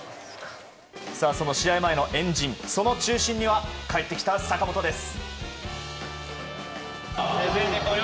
その試合前の円陣、その中心には帰ってきた坂本です。